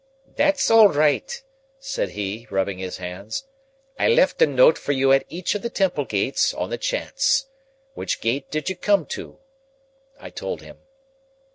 "That's all right," said he, rubbing his hands. "I left a note for you at each of the Temple gates, on the chance. Which gate did you come to?" I told him.